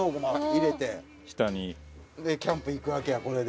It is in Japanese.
下に。でキャンプ行くわけやこれで。